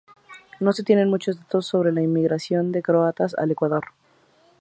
No se tienen muchos datos sobre la inmigración de croatas al Ecuador.